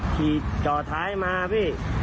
ขี่จ่อท้ายมาพี่